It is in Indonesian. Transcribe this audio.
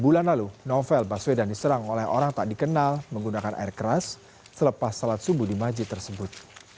bulan lalu novel baswedan diserang oleh orang tak dikenal menggunakan air keras selepas salat subuh di masjid tersebut